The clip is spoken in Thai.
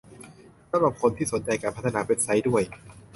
สำหรับคนที่สนใจการพัฒนาเว็บไซต์ด้วย